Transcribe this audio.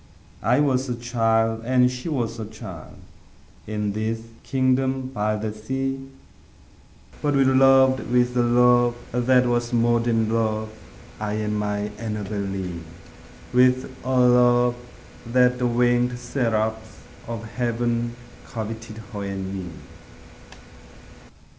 I was a child and she was a child, In this kingdom by the sea; But we loved with a love that was more than love I and my Annabel Lee; With a love that the winged seraphs of heaven Coveted her and me.